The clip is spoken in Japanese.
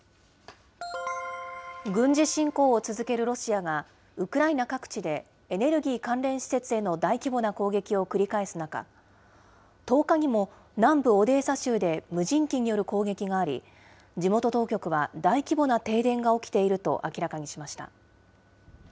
軍事侵攻を続けるロシアが、ウクライナ各地でエネルギー関連施設への大規模な攻撃を繰り返す中、１０日にも南部オデーサ州で無人機による攻撃があり、地元当局は大規模な停電が起きていると明らかにしました。